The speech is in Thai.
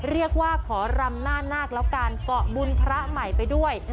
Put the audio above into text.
เรียกว่าขอรำหน้านาคแล้วกันเกาะบุญพระใหม่ไปด้วย